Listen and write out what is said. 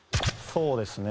そうですね。